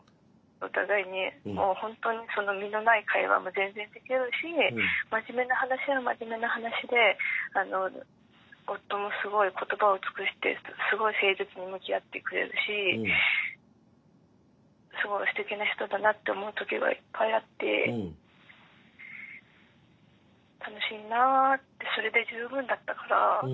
お互いにもうほんとに実のない会話も全然できるし真面目な話は真面目な話で夫もすごい言葉を尽くしてすごい誠実に向き合ってくれるしすごいすてきな人だなって思う時がいっぱいあって楽しいなあってそれで十分だったから。